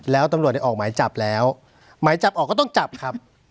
แล้วตำรวจได้ออกหมายจับแล้วหมายจับออกก็ต้องจับครับ